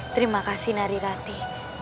terima kasih narirati